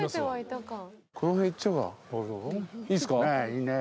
いいね。